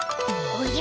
おじゃ。